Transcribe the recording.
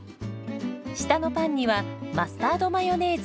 下のパンにはマスタードマヨネーズ。